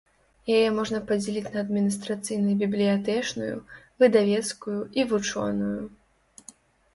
Яе можна падзяліць на адміністрацыйна бібліятэчную, выдавецкую і вучоную.